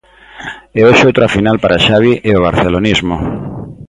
E hoxe outra final para Xavi e o barcelonismo.